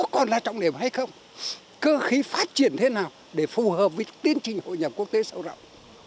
cơ khí có còn là trọng điểm hay không cơ khí phát triển thế nào để phù hợp với tiến trình hội nhập quốc tế sâu rộng